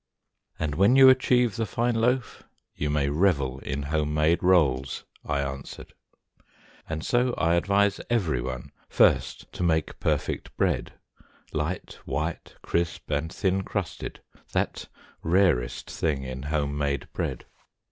"And when you achieve the fine loaf, you may revel in home made rolls," I answered. And so I advise every one first to make perfect bread, light, white, crisp, and thin crusted, that rarest thing in home made bread.